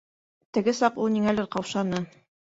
Теге саҡ ул ниңәлер ҡаушаны.